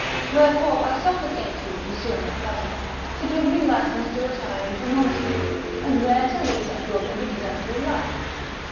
" Wherefore I supplicate you, M. my cousin, to give me licence to retire into a monastery, and there to lead a good and exemplary life.